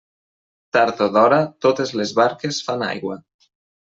Tard o d'hora, totes les barques fan aigua.